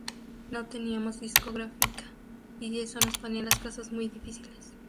No teníamos discográfica y eso nos ponía las cosas muy difíciles'.